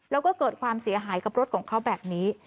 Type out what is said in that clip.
แล้วก็เกิดความเสียหายกับรถของเขาแบบนี้